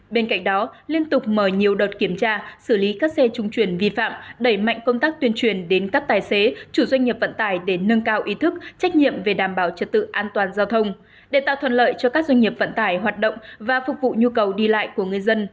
bên cạnh đó liên tục mở nhiều đợt kiểm tra xử lý các xe trung chuyển vi phạm đẩy mạnh công tác tuyên truyền đến các tài xế chủ doanh nghiệp vận tải để nâng cao ý thức trách nhiệm về đảm bảo trật tự an toàn giao thông để tạo thuận lợi cho các doanh nghiệp vận tải hoạt động và phục vụ nhu cầu đi lại của người dân